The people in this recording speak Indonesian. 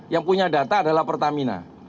yang punya data adalah pertamina